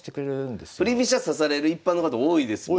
振り飛車指される一般の方多いですもんね。